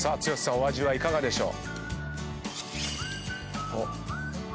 お味はいかがでしょう？